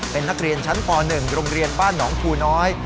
เป็นนักเรียนชั้นป๑โรงเรียนบ้านหนองภูน้อย